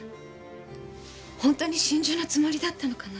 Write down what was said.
本当に心中のつもりだったのかな。